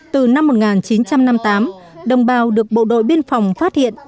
từ năm một nghìn chín trăm năm mươi tám đồng bào được bộ đội biên phòng phát hiện